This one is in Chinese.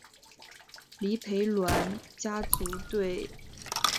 黎培銮家族对近现代文化科技事业发挥了深远的影响。